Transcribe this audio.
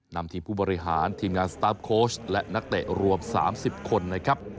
นำทีมผู้บริหารทีมงานสตาร์ฟโค้ชและนักเตะรวม๓๐คนนะครับ